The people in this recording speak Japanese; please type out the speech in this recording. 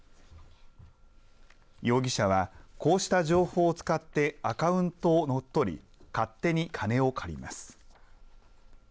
容疑者はこうした情報を使ってアカウントを乗っ取り勝手に金を借ります。